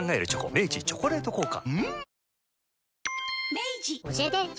明治「チョコレート効果」